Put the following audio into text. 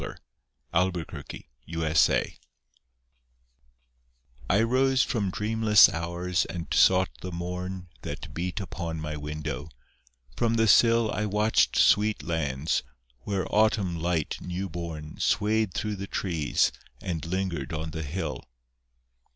I ROSE FROM DREAMLESS HOURS I rose from dreamless hours and sought the morn That beat upon my window: from the sill I watched sweet lands, where Autumn light newborn Swayed through the trees and lingered on the hill.